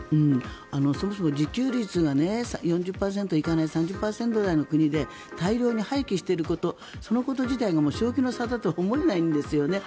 そもそも自給率が４０％行かない３０％台の国で大量に廃棄していることそのこと自体が正気の沙汰とは思えないんですよね。